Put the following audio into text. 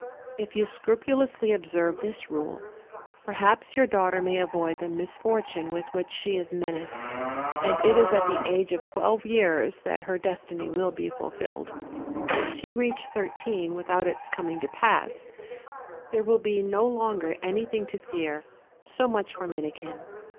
If you scrupulously observe this rule, perhaps your daughter may avoid the misfortune with which she is menaced ; and it is at the age of twelve years that her destiny will be fulfilled; if she reach thirteen, without its coming to pass, there will be no longer anything to 302 OLD, OLD FAIRY TALES. fear: so much for Minikin.